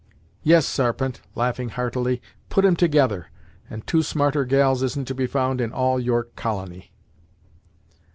Yes, Sarpent," laughing heartily "put 'em together, and two smarter gals isn't to be found in all York Colony!"